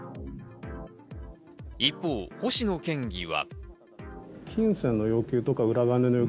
一方、星野県議は。